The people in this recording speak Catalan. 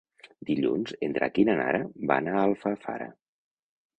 Dilluns en Drac i na Nara van a Alfafara.